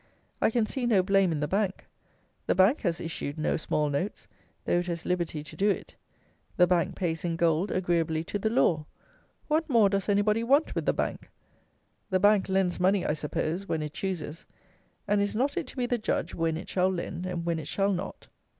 I can see no blame in the bank. The bank has issued no small notes, though it has liberty to do it. The bank pays in gold agreeably to the law. What more does anybody want with the bank. The bank lends money I suppose when it chooses; and is not it to be the judge when it shall lend and when it shall not?